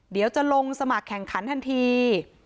เดี๋ยวจะลงสมัครแข่งขันทันที